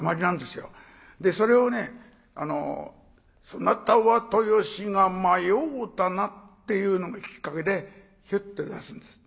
それを「そなたは豊志賀迷うたな」っていうのがきっかけでヒュッと出すんです。